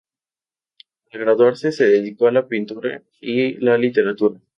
Al graduarse se dedicó a la pintura y la literatura.